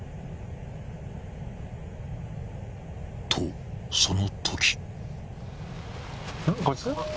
［とそのとき］